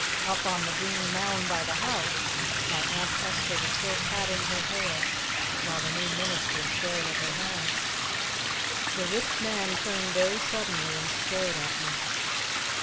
Up on the green mound by the house our Aunt Esta was still patting her hair while the New Minister stared at her hands. The Rich Man turned very suddenly and stared at me.